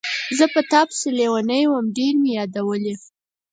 زه په تا پسې لیونی وم، ډېر مې یادولې.